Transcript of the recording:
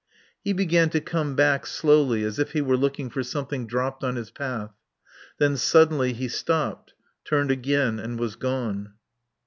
He began to come back, slowly, as if he were looking for something dropped on his path; then suddenly he stopped, turned again and was gone.